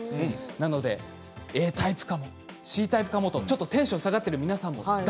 なのでＡタイプかもＣタイプかもとちょっとテンション下がってる皆さんも大丈夫です。